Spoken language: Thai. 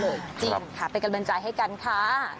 จริงค่ะไปกลับบัญจิให้กันค่ะ